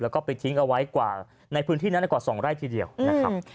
แล้วก็ไปทิ้งเอาไว้กว่าในพื้นที่นั้นกว่า๒ไร่ทีเดียวนะครับ